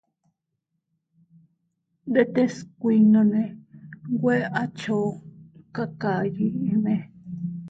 Ndetes kuinnone nwe a dchoy kakayiʼime.